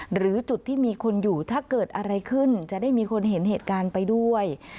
หรือจุดที่มีคนอยู่ถ้าเกิดอะไรขึ้นจะได้มีคนเห็นเหตุการณ์ไปด้วย